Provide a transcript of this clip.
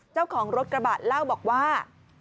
เจ้าของรถกระบะเล่าบอกว่า